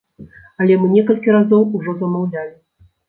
Але мы некалькі разоў ужо замаўлялі.